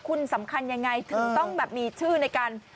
คุณสำคัญยังไงถึงต้องแบบมีชื่อในการ